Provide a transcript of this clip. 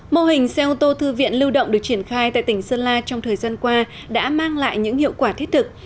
mô hình xe ô tô thư viện lưu động được triển khai tại tỉnh sơn la trong thời gian qua đã mang lại những hiệu quả thiết thực